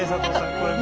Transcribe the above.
これね。